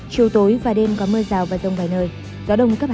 chiều tối và đêm có mưa rào và rông vài nơi gió đông cấp hai